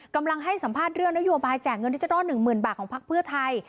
กำลังให้สัมภาษณ์เรื่องนโยบายแจกเงินที่จะรอด๑หมื่นบาทของภาคเพื่อไทย